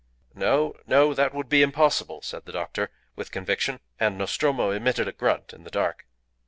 "No! no! That would be impossible," said the doctor, with conviction; and Nostromo emitted a grunt in the dark.